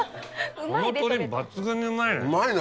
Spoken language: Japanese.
この鶏抜群にうまいね。